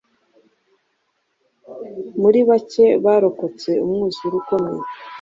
Muri bake barokotse Umwuzure Ukomeye